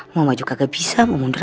mama juga gak bisa mau mundur